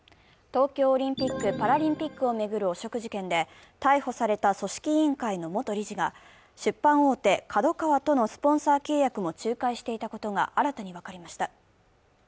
東京オリンピック・パラリンピックを巡る汚職事件で逮捕された組織委員会の元理事が出版大手ＫＡＤＯＫＡＷＡとのスポンサー契約も仲介していたことが新たに分かりました。